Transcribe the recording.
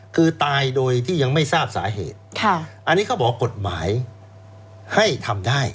คือตายโดยที่ยังไม่ทราบสาเหตุอันนี้เขาบอกกฎหมายให้ทำได้